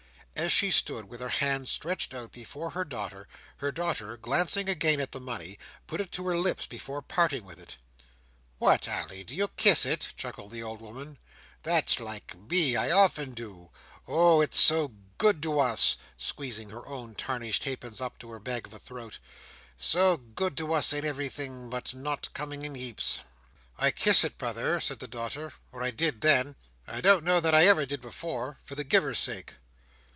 As she stood with her hand stretched out before her daughter, her daughter, glancing again at the money, put it to her lips before parting with it. "What, Ally! Do you kiss it?" chuckled the old woman. "That's like me—I often do. Oh, it's so good to us!" squeezing her own tarnished halfpence up to her bag of a throat, "so good to us in everything but not coming in heaps!" "I kiss it, mother," said the daughter, "or I did then—I don't know that I ever did before—for the giver's sake."